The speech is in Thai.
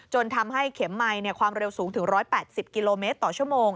ทำให้เข็มไมค์ความเร็วสูงถึง๑๘๐กิโลเมตรต่อชั่วโมง